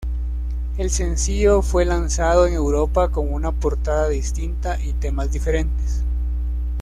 El sencillo fue lanzado en Europa con una portada distinta y temas diferentes.